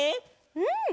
うん！